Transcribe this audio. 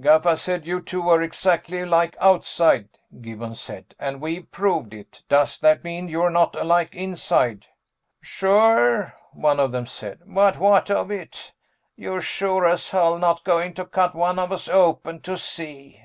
"Gaffa said you two were exactly alike outside," Gibbons said. "And we've proved it. Does that mean you're not alike inside?" "Sure," one of them said. "But what of it? You're sure as hell not going to cut one of us open to see!"